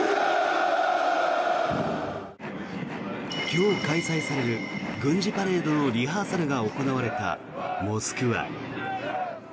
今日開催される軍事パレードのリハーサルが行われたモスクワ。